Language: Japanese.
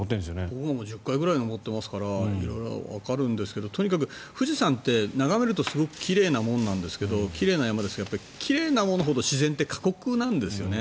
僕はもう１０回ぐらい登っていますから色々わかるんですけどとにかく、富士山って眺めるとすごく奇麗なものなんですけど奇麗な山ですが、奇麗なものほど自然って過酷なんですよね。